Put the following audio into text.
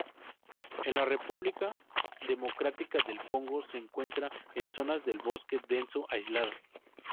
En la República Democrática del Congo se encuentra en zonas de bosque denso aisladas.